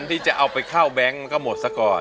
ที่จะเอาไปเข้าแบงค์มันก็หมดซะก่อน